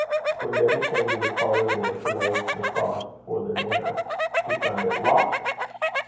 When Betty came to the parlour door to lay the cloth for their dinner, she found it locked.